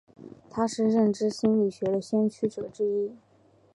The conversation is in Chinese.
他是认知心理学的先驱者之一。